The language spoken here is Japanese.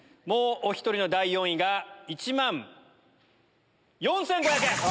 もうお１人の第４位が１万４５００円！